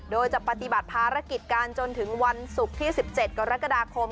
โดยจะปฏิบัติภารกิจการจนถึงวันศุกร์ที่๑๗กรกฎาคม